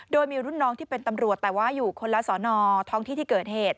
โดยมีรุ่นน้องที่เป็นตำรวจแต่ว่าอยู่คนละสอนอท้องที่ที่เกิดเหตุ